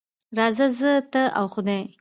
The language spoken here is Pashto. راځه زه، ته او خدای.